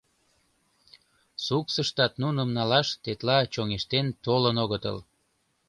Суксыштат нуным налаш тетла чоҥештен толын огытыл.